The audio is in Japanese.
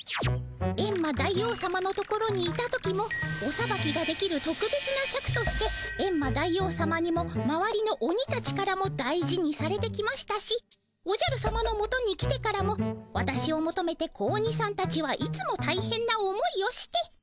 「エンマ大王さまのところにいた時もおさばきができるとくべつなシャクとしてエンマ大王さまにもまわりのオニたちからも大事にされてきましたしおじゃるさまのもとに来てからもワタシをもとめて子鬼さんたちはいつもたいへんな思いをして。